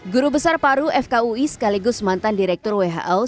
guru besar paru fkui sekaligus mantan direktur who